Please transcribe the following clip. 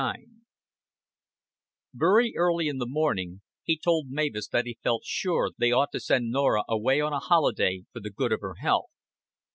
XXIX Very early in the morning he told Mavis that he felt sure they ought to send Norah away on a holiday for the good of her health.